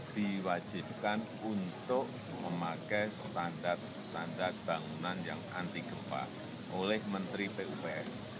diwajibkan untuk memakai standar standar bangunan yang anti gempa oleh menteri pupr